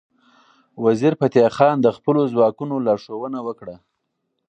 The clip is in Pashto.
وزیرفتح خان د خپلو ځواکونو لارښوونه وکړه.